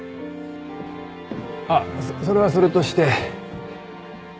あっそれはそれとして。